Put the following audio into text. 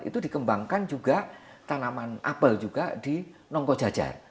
itu dikembangkan juga tanaman apel juga di nongkojajar